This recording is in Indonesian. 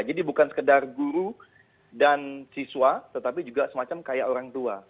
jadi bukan sekedar guru dan siswa tetapi juga semacam kayak orang tua